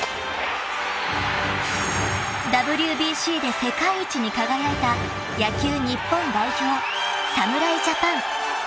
［ＷＢＣで世界一に輝いた野球日本代表侍ジャパン］